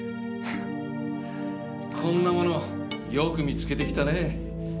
フッこんなものよく見つけてきたねぇ。